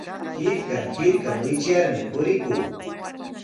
Hirkan hirkan wichyarmi purikuu.